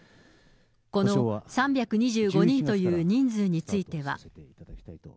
この３２５人という人数については。